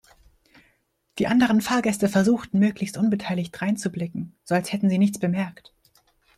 Die anderen Fahrgäste versuchten möglichst unbeteiligt dreinzublicken, so als hätten sie nichts bemerkt.